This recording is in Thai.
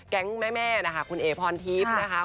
แก๊งแม่นะคะคุณเอ๋พรทิพย์นะคะ